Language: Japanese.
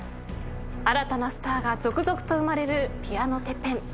新たなスターが続々と生まれるピアノＴＥＰＰＥＮ。